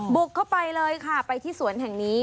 บุกเข้าไปเลยค่ะไปที่สวนแห่งนี้